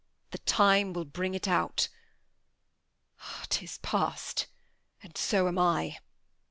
The time will bring it out. 'Tis past, and so am I.